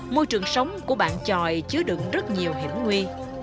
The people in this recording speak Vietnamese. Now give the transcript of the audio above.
môi trường sống của bạn tròi chứa đựng rất nhiều hiểm nguy